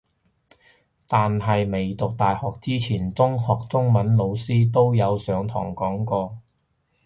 但係未讀大學之前中學中文老師都有上堂讀過